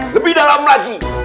lebih dalam lagi